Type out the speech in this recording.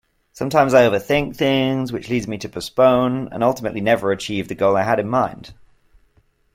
Sometimes I overthink things which leads me to postpone and ultimately never achieve the goal I had in mind.